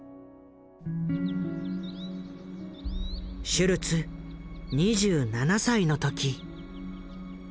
シュルツ２７歳の時。